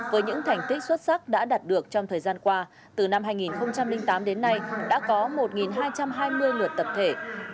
với những thành tích xuất sắc đã đạt được trong thời gian qua từ năm hai nghìn tám đến nay đã có một hai trăm hai mươi lượt tập thể